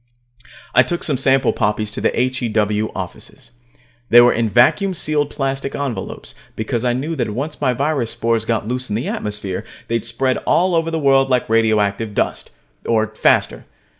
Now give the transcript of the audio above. I took some sample poppies to the H.E.W. offices. They were in vacuum sealed plastic envelopes, because I knew that once my virus spores got loose in the atmosphere, they'd spread all over the world like radioactive dust, or faster.